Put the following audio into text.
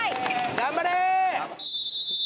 頑張れ！